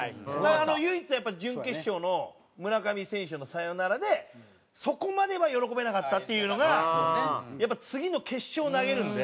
唯一やっぱり準決勝の村上選手のサヨナラでそこまでは喜べなかったっていうのがやっぱ次の決勝投げるんで。